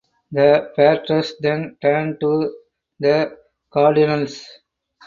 The Padres then turned to the Cardinals.